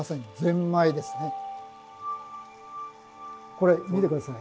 これ見てください。